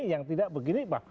yang tidak begini